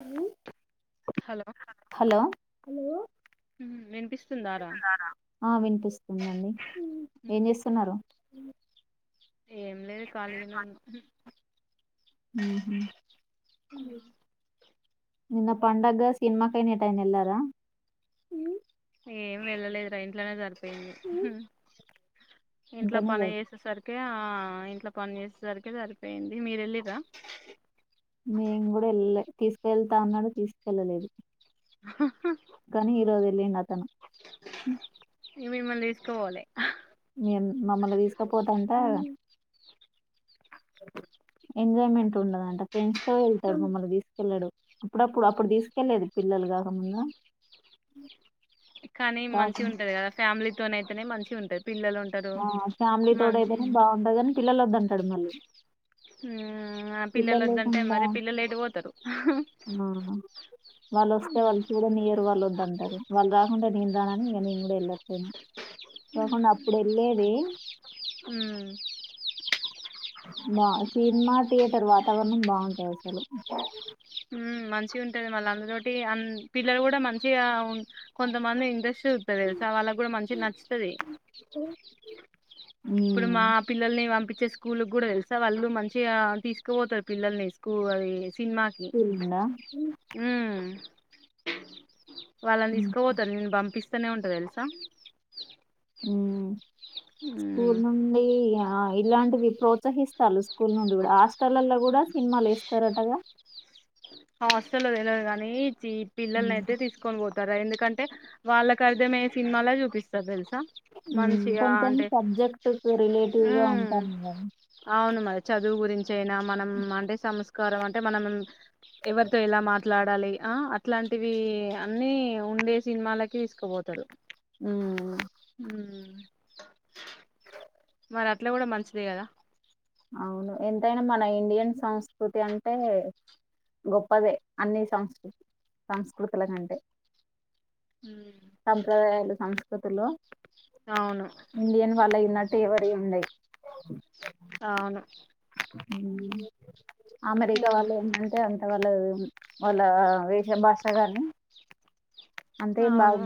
ఊ hello hello మ్మ్ వినిపిస్తుందారా ఆ వినిపిస్తుందండి ఏం చేస్తున్నారు ఏం లేదు కాలీగనే ఉన్నా ఉమ్ హ్ నిన్న పండగ్గా సినిమా కైన ఎటైనా ఎల్లారా ఏం వెళ్ళలేదురా ఇంట్లనే సరిపోయింది ఇంట్లో ఇంకనే పని లేదు. చేేసేసరి కే ఆ ఇంట్ల పని చేసేసరికి సరిపోయింది మీరెల్లిర్రా మేము కూడా వెళ్ళలే తీసుకెళ్తా అన్నరు తీసుకెళ్ళలేదు కానీ ఇరోజెల్లిండతను ఇగ మిమ్ముల్ని తీసుకవోలె నేను మమ్మల్ని తీసుకపోతంట ఎంజాయ్మెంట్ ఉండదంట ఫ్రెండ్స్ తో వెళ్తడు మమ్మల్ని తీసుకెళ్ళడు అప్పుడప్పుడు అప్పుడు తీసుకెళ్లేది పిల్ల పెళ్లిగాక ముందు ఉ కానీ మంచిగుంటది కదా ఫ్యామిలీ తోనైతెనే మంచిగుంటది ఆ ఫ్యామిలీ తోటయితేనే బాగుంటదనికని పిల్లలొద్దంటడు మళ్ళీ ఆ ఆ పిల్లలు పిల్లలొద్దంటె మరి పిల్లలెట్ పోతరు ఆవును వాల్లొస్తే వాళ్ళు చూడ నియ్యరు వాల్లొద్దంటరు వాళ్ళు రా కుండ నేను రానని ఇగ నేను కూడా ఎలట్లేను కాకుండా మ్మ్ అప్పుడెళ్ళేది బా సినిమా థియేటర్ వాతావరణం బాగుంటదసలు ఉమ్ మంచిగుంటది మళ్లందులోటి అం పిల్లలు కూడా మంచిగా కొంతమంది ఇంట్రైస్ట్ చూతరు తెల్సా వాళ్ళకి కూడా మంచిగ నచ్చుతది ఇప్పుడు మా పిల్లల్ని వంపి వచ్చే స్కూల్ కూడా తెల్సా వాళ్ళు మంచిగా తీసుకుపోతారు పిల్లల్ని స్కూల్ అది సిన్మాకి వుందా ఊమ్ వాళ్ళని తీసుకపోతారు నేను పంపిస్తనే ఉంట తెలుసా ఉమ్ ఉమ్ స్కూల్ నుండి ఇగ ఆ ఇలాంటివి ప్రోత్సహిస్తళ్లు స్కూల్ నుండి కూడా హాస్టల్లల్ల కూడా సినిమాలేస్తరటగా హాస్టల్లో తెల్వదు కాని జి పిల్లల్నయితే తీసుకొని పోత తరా ఎందుకంటే వాళ్ళకర్దమయ్యే సినిమాలె చూపిస్తారు తెలుస అ ఉమ్, మంచిగా కొంచెం అంటే సబ్జెక్ట్ కు రిలేటివ్ గా ఉమ్ ఉంటాను కదా అవును మరి చదువు గురించయినా మనం అంటే సంస్కారం అంటే మనం ఎవరితో ఎలా మాట్లాడాలి ఆ అట్లాంటివి అన్నీ ఉండే సినిమాలకి తీసుకుపోతడు ఊ మరట్ల కూడా మంచిదే కదా అవును ఎంతైనా మన ఇండియన్ సంస్కృతి అంటే గొప్పదే అన్ని సంస్కృతి సంస్కృతుల కంటే ఉమ్ సంప్రదాయాలు సంస్కృతులు అవును ఇండియన్ వాళ్ళయున్న ట్టు ఎవరియుండై అవును ఉమ్ అమెరికా అయ్యో వాళ్ళు ఏంటంటే అం వాల్లు వాళ్ళ వేష భాష కాని అవును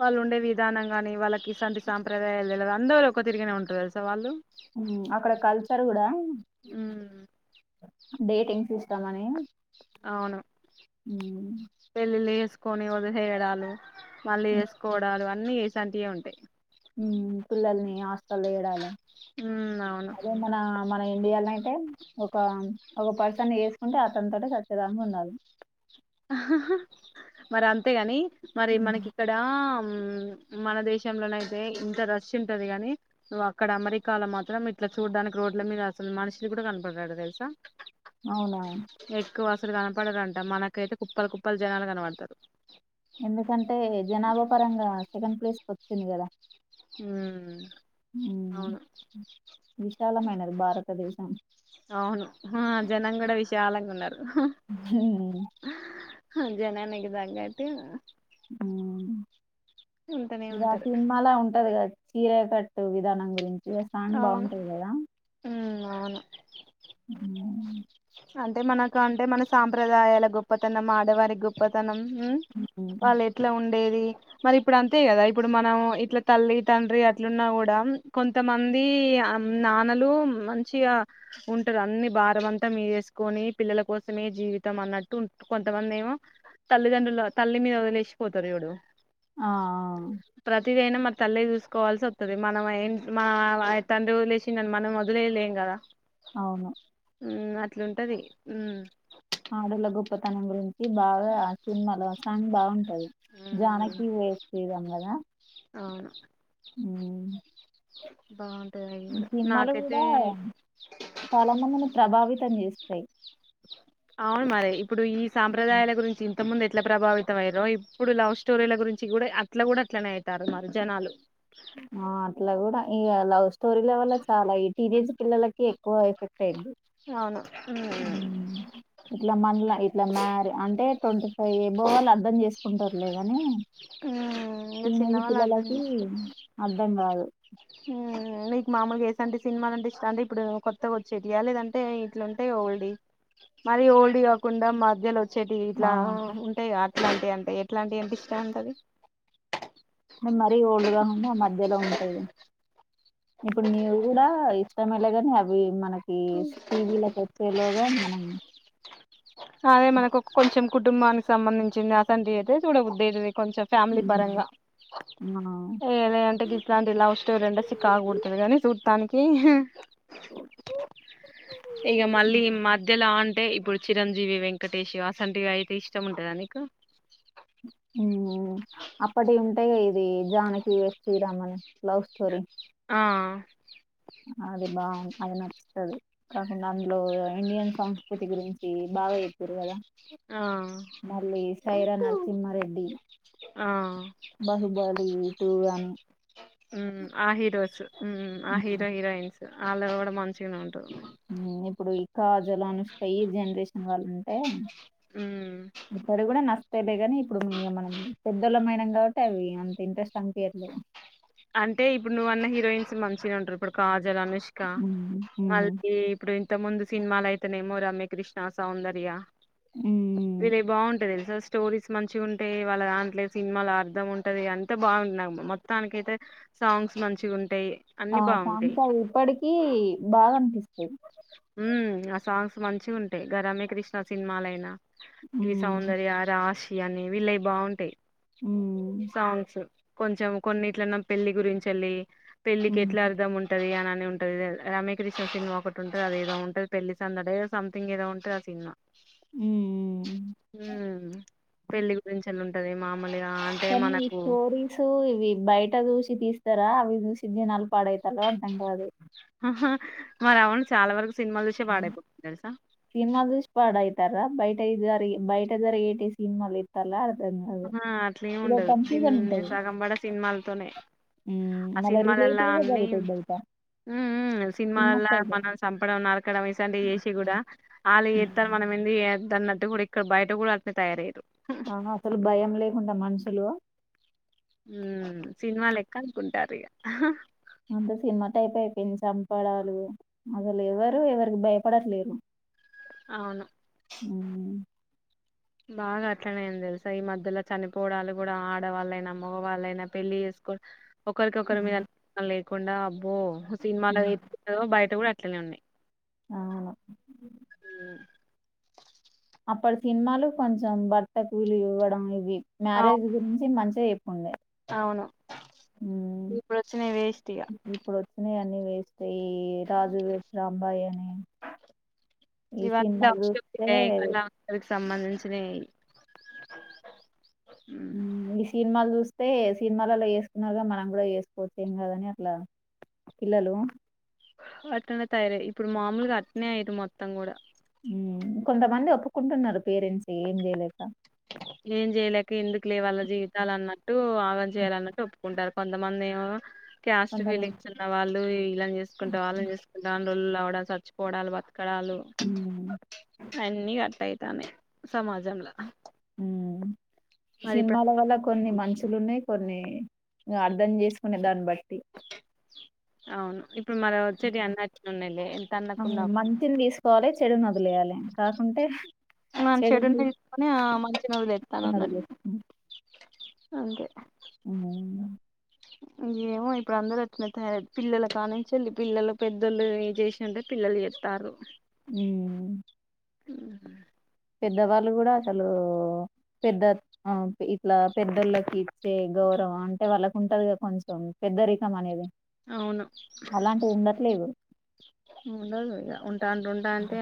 వాళ్ళుండే విద్ విధానం గాని వాళ్ళకిసొంటి సాంప్రదాయా తెల అందరూ ఒక తిరిగానే ఉంటరు తెలుసా వాళ్ళు ఉమ్ అక్కడ కల్చర్ కూడా ఉమ్ డేటింగ్స్ ఇష్టమని అవును ఊమ్ పెళ్ళిళ్ళు చేసుకొని వదిలేయడాలు మళ్ళీ చేసుకోడాలు అన్నీ ఇసొంటియే ఉంటాయి మ్ పిల్లల్ని ఆస్టల్లో ఏయడాలు ఉమ్ అవును మన ఇండియాలన్ ఐతే ఒక ఒక పర్సన్నీ చేసుకుంటే అతన్తోటే సచ్చేదాంక ఉండాలి మరి అంతేగాని మరి మనకి ఇక్కడ మన దేశంలోనైతే ఇంత రష్ ఉంటది గాని నువ్ అక్కడ అమెరికాలో మాత్రం ఇట్లా చూడానికి రో డ్ల మీద అసలు మనుషులు కూడా కనపడరాట తెలుసా అవున ఎక్కువ అసలు కనపడారంట మనకైతే కుప్పల కుప్పలు జనాలు కనపడుతారు ఎందుకంటే జనాభా పరంగా సెకండ్ ప్లేస్కి ఓచ్చింది కదా ఉ ఉమ్, అవును విశాలమైనది భారతదేశం అవును హా జనం కూడా విశాలంగా ఉన్నారు ఉమ్, జనానీకీ తగ్గట్టు ఉంటనే గా ఉంటారు సినిమాల ఉంటది కద చీరే కట్టు విధానం గురించి ఆ సాంగ్ అవును బాగుంటది కదా ఉమ్ అవును అంటే మనకు అంటే మన సాంప్రదాయాల గొప్పతనం ఆడవారి గొప్పతనం ఉ ఉమ్. వాళ్ళు ఎట్లా ఉండేది మరి ఇప్పుడు అంతే కదా ఇప్పుడు మనం ఇట్ల తల్లి తండ్రి అట్లున్నా కూడా కొంతమంది నాన్నలు మంచిగా ఉంటారు అన్ని బా మొత్తమంత మీద ఎసుకొని పిల్లల కోసమే జీవితం అన్నట్టు కొంతమంది ఏమో తల్లిదండ్రుల తల్లి మీద ఓదిలేసిపోతారు చూడు ఆ ఆ టి పోయిన మరి తల్లే చూసుకోవాల్సి ఒత్తది మనం ఏ మ తండ్రి ఒదిలేసిండనీ మనం ఓదిలేయలేం కదా అవును ఉమ్ అట్లుంటది ఉ అడ్డోళ్ల గొప్పతనం గురిం బాగా సినిమాలో సాంగ్ బాగుంటది జానకి వేశ్రీరామ్ కదా అవును ఉ బా సినిమాలు కూడా చాలా మందిని ప్రభావితం చేస్తాయి అవును మరి ఇప్పుడు ఈ సాంప్రదాయాల గురించి ఇంత ముందు ఎట్ల ఎట్లా ప్రభావితమియిరో ఇప్పుడు లవ్ స్టోరీల గురించి కూడా అట్లా గుడా అట్లనే ఐతారు మరి జనాలు ఆ అట్లా గుడా ఇగ లవ్ స్టోరీల వల్ల చాలా ఇ టీనేజ్ పిల్లలకి ఎక్కువ ఎఫెక్ట్ అయింది అవును ఉమ్ ఉమ్. ఇట్లా మనలా ఇట్లా మ్యారీ అంటే ట్వంటీ ఫైవ్ ఎబొవ్ వాళ్ళు అర్థం చేసుకుంటారులే గని ఉమ్, ఇంకా టీనేజ్ చిన్నవాళ్ళు అర్థం పిల్లలకి చేసుకో అర్థం కాదు ఉమ్, నీకు మామూలుగా యేసంటి సినిమాలంటే ఇష్టం అంటే ఇప్పుడు కొత్తగా ఓచ్చేటియా లేదంటే ఇట్లుఉంటే ఓల్డీ మరి ఓల్డియి కాకుండా మధ్యల చెటి ఆ ఇట్లా ఉంటాయిగా అట్లాంటియి అంటే ఎట్లాంటియీ అంటే ఇష్టం ఉంటది మరీ ఓల్డ్ గాకుండా మధ్యలో ఉంటేవి ఇప్పుడు నీవు కూడా ఇష్టమలే గాని అవి మనకి టీవీలకు వచ్చేలోగా మనం అదే మనకు ఒక కొంచెం కుటుంబానికి సంబంధించింది అసంటివి అయితే సుడబుద్ది అయితది కొంచెం ఫ్యామిలీ పరంగా ఆ ఏ లె అంటె గిట్లాంటివి లవ్ స్టోరీ అంటే సికాక్ పుడ్తది గాని సుత్తనిక్ ఇగ మళ్ళీ మధ్యలో అంటే ఇప్పుడు చి చిరంజీవి వెంకటేశు అసంటివి అయితే ఇష్టం ఉంటదా నీకు ఉ అప్పటియి ఉంటాయిగా ఇవి జానకి వెడ్స్ శ్రీరామ్ అని లవ్ స్టోరీ ఆ అది బాగు అది నచ్చుతది కాకుండా అందులో ఇండియన్ సంస్కృతి గురించి బాగ చెప్తూర్ గదా ఆ మళ్ళీ సైరానా నరసింహారెడ్డి ఆ బాహుబలి టూ గాని ఉమ్ ఆ హీరోస్ ఉమ్ ఆ హీరో హీరోయిన్స్ ఆళ్ళవి గుడా మంచిగానే ఉంటవి మ్ ఇప్పుడు ఈ కాజల్ అనుష్క ఈ జనరేషన్ వాళ్ళు ఉంటే మ్మ్ ఇక్కడు గుడా న తేలే గాని ఇప్పుడు ఉమ్ ఇంగమనం పెద్దోళ్లమయినం గాబట్టి అవి అంత ఇంట్రెస్ట్ అనిపియ్యట్లేదు అంటే ఇప్పుడు నువ్వు అన్న హీరోయిన్స్ మంచిగా ఉంటరు ఇప్పుడు కాజ ల్ అనుష్క హ్మ్. హుహు. మల్లిపీ ఇప్పుడు ఇంతక ముందు సినిమాలయితేనేమో రమ్య కృష్ణ సౌందర్య హ్మ్. వీళ్ళయి బాగుంటది స్టోరీస్ మంచిగా ఉంటయి వాళ్ళ దాంట్ల సినిమాల అర్ధం ఉంటది అంతా బాగున్ నగ్ మొత్తానికి అయితే సాంగ్స్ మంచిగ ఉంటయి ఆ సాంగ్స్ అవి ఇప్పటికీ బాగనిపిస్తయి ఉమ్ ఆ సాంగ్స్ మంచిగుంటాయి గ రమ్య కృష్ణ సినిమాలు అయినా గి హ్మ్. సౌందర్య రాషి ఇయ్యాని వీళ్ళయ్ బాగుంటాయి హ్మ్. సాంగ్స్ కొంచెం కొన్నిట్లన్న పెళ్లి గురించేల్లి పెళ్ళికి ఎట్లా హ్మ్. అర్థం ఉంటది అనన్ మె ఉంటది రమ్యకృష్ణ సినిమా ఒకటి ఉంటంది అది ఏదో ఉంటది పెళ్లి సందడో సంథింగ్ ఏదో ఉంటది ఆ సినిమా హ్మ్. ఉమ్ పెళ్లి గురించన ఉంటది మామ్ కొన్ని స్టోరీసు ఇవి బయట చూసి తీస్తారా అవి చూసి జనాలు పాడైత్ తరో అర్థం గాదు ఆహా! మరి అవును చాలా వరకు సినిమాలు చూసే పడాయిపోతుంది తెలుసా టైజారి బయట జరిగేటి సినిమాల్ ఎత్తర్ల ఆహా అట్లేమి ఉండదు తిన్ ఉంటది. సగం బడ సినిమాలతోనే హ్మ్ ఆ మళ్ళ సినిమాలల్ల రిలేటివ్ గా అన్ని జరుగుతది బయట ఉమ్ ఉమ్ సినిమా సినిమాలల టైప్ మనల్ని చంపడం నర్ ఇక్కడ వేసంటి చేసి గుడా ఆళ్ళు చెత్తరు మనం ఎందుకు చేయ్యోద్ దన్నట్టు గుడా ఇక్కడ బయట గుడా అటనే తయారయ్యిరు ఆహా అసలు భయం లేకుండా మనుషులు ఉమ్ సినిమాలెక్క అనుకుంటారీగ అంత సినిమా టైపె అయిపోయింది చంపడాలు అసలు ఎవరు ఎవరికి భయపడట్లేరు అవును హ్మ్ బాగా అట్లనే అయింది తెలుసా ఈ మధ్యల చనిపోవడాలు గుడా ఆడవాళ్ళైనా మగవాళ్ళయినా పెళ్ళి చేస్ కో ఒకరికొకరి మీద [unintelligible] లేకుండా అబ్బో సినిమాలో ఉమ్, ఎట్ల ఉన్నాయో బయట కూడా అట్లనే ఉన్నాయి అవును హ్మ్. అప్పటి సినిమాలు కొంచెం భర్తకు విలువ ఇవ్వడం ఇవి మ్యారేజ్ అవును గురించి మంచిగా చెప్పుండే అవును హ్మ్ ఇప్పుడొచ్చినాయీ వేస్ట్ ఇగ ఇప్పుడు వచ్చినయి అన్ని వేస్టే ఈ రాజు వెడ్స్ రాంబాయ్ అని ఈ ఇవ సినిమాలు చూస్తే ఔష [unintelligible] మంచినేయ్ మ్ గి సినిమాలు చూస్ చూస్తే సినిమాలలో వేసుకున్నారుగా మనం కూడా వేసుకోవచ్చు ఏం గాదని అట్లా పిల్లలు అట్లనే తయారయీ ఇప్పుడు మామూల్గా అట్నే అయ్యిరు మొత్తం కూడా కొంతమంది ఒప్పుకుంటున్నారు పేరెంట్స్ ఏం జేయలేక ఏం జేయలేక ఎందుక్లే వాళ్ళ జీవితాలన్నట్టు ఆగం చేయాలన్నట్టు ఒప్పుకుంటారు కొంతమంది ఏమో క్యాస్ట్ కొంతమంది ఫీలింగ్స్ ఉన్న వాళ్ళు ఇళ్లని జేసుకుంటా వాళ్ళని జేసుకుంటా లోల్ చచ్చిపోడాలు బత్కడాలు హ్మ్. అన్నీ కట్టాయ్ తనే సమాజంల ఉ మరి ఇప్పుడు సిన్మాల వల్ల కొన్ని మంచిలున్నాయి కొన్ని అర్ధం చేసుకునే దాన్బట్టి అవును ఇప్పుడు మరి ఓచ్చేటివి అన్ని అట్లున్నాయి లే ఎంత ఆ! అన్నకున్న మంచిని దీసుకోవాలి. చెడునొదిలేయాలి. కాకుంటే మన్ చెడుని తీసుకొని ఆ మంచి నీ వదిలేస్తన్నాం తీసుకొని అన్నట్టు ఒదిలేస్తున్నాం. అంతే హ్మ్. ఏమో ఇప్పుడు అందరూ అట్నే తయారారు పిల్లలు కానించి పిల్లలు పెద్దళ్లు చేసింటే పిల్ల లు చేతారు ఊ హుహ్ పెద్దవాళ్ళు కూడా అసలూ పెద్ద ఆ ఇట్లా పెద్దోళ్ళకి ఇచ్చే గౌరవం అంటే వాళ్ళకు ఉంటదిగా కొంచెం పెద్దరికం అనేది అవును అలాంటిది ఉండట్లేదు ఉండదు ఇగ ఉంటాంటుంటా అంటే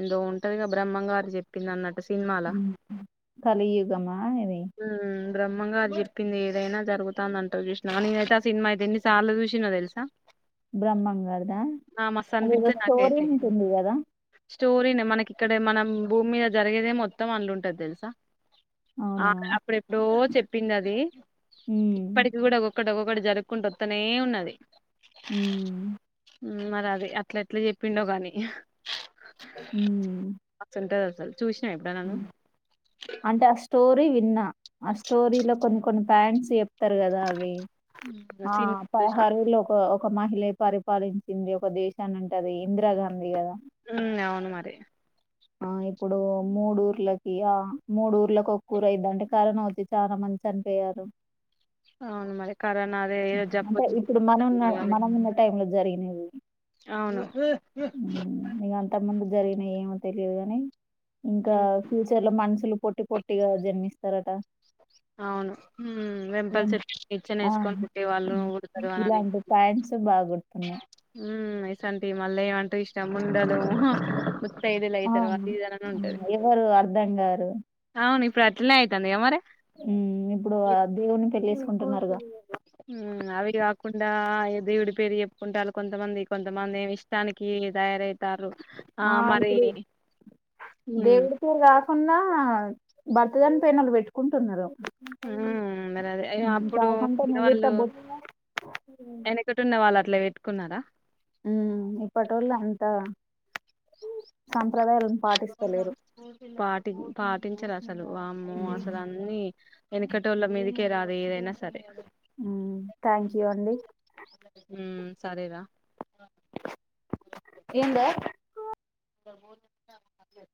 ఎందో ఉంటది బ్రహ్మంగారు చెప్పిన్న కలియుగమా ఇది? ఊ బ్రహ్మంగారు చెప్పింది ఏదైనా జగుతాందంటారు చూసినావా నేనైతే ఆ సినిమా ఎన్ని సార్లు చూసిన్నో తెల్సా మస్తు అదేదో అనిపిత్తది స్టోరీ నాకైతే ఉంటుంది కదా స్టోరీనే మనకిక్కడ మనం భూమి మీద జరిగేదే మొత్తం అంలుంటది తెల్సా అవ్నా అప్పుడెప్పుడో చెప్పిందది హ్మ్. ఇప్పటికి కూడా ఒక్కటికొక్కటి జరుకుంటోత్తనే ఉన్నది ఊ మరది అట్లేట్లా చెప్పిండో గాని ఊ మస్తుంటది అసలు చూసినావ ఎప్పుడైనా అంటే ఆ స్టో రి విన్నా ఆ స్టోరీలో కొన్ని కొన్ని ఫ్యాంట్స్ చెప్తారు కదా అవి నువ్వు ఆ సిన్ పదహరెలు ఒక ఒక మహిలే పరిపాలించింది ఒక దేశాన్ని అంటది ఇంద్రా గాంధీ కదా ఉ అవ్ను మరి ఆ ఇప్పుడు మూడూర్లకి ఆ మూడూర్లకి ఒక్కూరైద్దంటే కారోన అచ్చి చానా మంది చనిపోయ తరు అవును మరి కరోనా అదే ఏదో జబ్బు అంటే ఇప్పుడు మనున మనం ఉన్న వచ్చి మనం ఉన్న టైంలో జరిగినయి అవ్ను జరిగినయి ఏమో తెలియదు గాని ఇంకా ఉమ్ ఫ్యూచర్లో మనుషులు పొట్టి పొట్టి గా జన్మిస్ అవును ఉహ్ ఉమ్, వెంపల్సరీ ఆ ఇచ్చనేస్కొని ఉంటే వాళ్ళు ఉమ్, ఉడ్తారని అని ఇలాంటి పాయింట్స్ బాగా గుర్తున్నాయి ఉమ్మ్ ఇసంటివి మళ్ళేమంటారు ఇష్టం ముండదు ఆ ఉమ్, ఎవరు అర్ధం గారు అవును ఇప్పుడట్లే అయితున్నాయా మరి ఇప్పుడు ఆ దేవుని పెళ్లిచేస్కుంటునారుకదా మ్ అవి కాకుండా దేవుడి పేరు చెప్పుకుంటాలు కొంతమంది కొంతమంది ఇష్టానికి తయారై టరు ఆ మరి మ్ ఉన్నా భర్త చనిపోయినోల్ పేట్టుకుంటున్నారు మ్ మరి అదె ఇగ అప్పుడు కాకుంటే నుదుట వేరేవాళ్లు బొట్ ఎనకటి ఉన్నవాల్ అట్లా వెట్టుకున్నారా మ్ ఇప్పటోలు అంత సం ప్రధలు పాటిస్తలేరు టింగ్ పాటించరు అసలు వామ్మో మ్మ్ అసలు అన్ని ఏనకటోళ్ళ మీదకి కే రవాలి ఏదైనా సరే మ్ థాంక్యూ అండి మ్ సరే రా ఏందే నేను పోతున్నాక్కడ